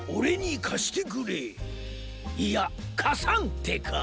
いやかさんってか。